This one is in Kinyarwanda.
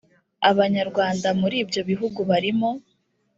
abanyarwanda muri ibyo bihugu barimo